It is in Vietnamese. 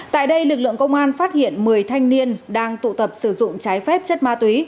tại đây lực lượng công an phát hiện một mươi thanh niên đang tụ tập sử dụng trái phép chất ma túy